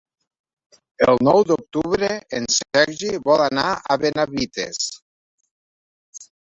El nou d'octubre en Sergi vol anar a Benavites.